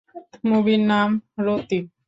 মুভির নাম, রোতি।